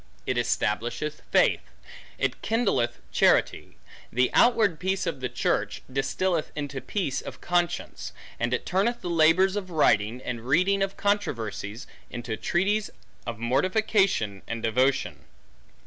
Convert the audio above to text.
It establisheth faith; it kindleth charity; the outward peace of the church, distilleth into peace of conscience; and it turneth the labors of writing, and reading of controversies, into treaties of mortification and devotion.